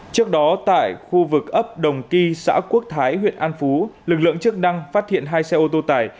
trước đó tại khu vực ấp đồng ky xã quốc thái huyện an phú lực lượng chức năng phát hiện hai xe ô tô tải